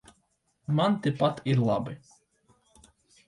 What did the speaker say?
Man tepat ir labi.